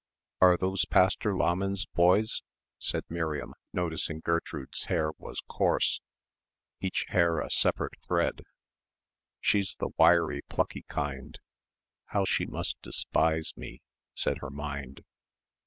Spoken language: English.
"Are those Pastor Lahmann's boys?" said Miriam, noticing that Gertrude's hair was coarse, each hair a separate thread. "She's the wiry plucky kind. How she must despise me," said her mind.